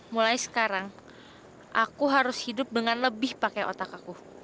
mulai sekarang aku harus hidup dengan lebih pakai otak aku